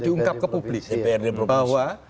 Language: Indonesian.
diungkap ke publik bahwa